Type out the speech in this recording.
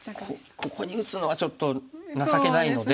ここに打つのはちょっと情けないので。